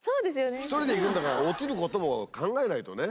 １人で行くんだから落ちることも考えないとね。